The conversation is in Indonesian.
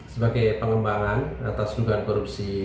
sebagai pengembangan atas dugaan korupsi